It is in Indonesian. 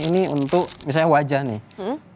ini untuk misalnya wajah nih